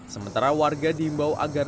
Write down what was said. sementara warga diimbau agar